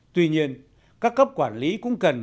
tuy nhiên các cấp quản lý cũng cần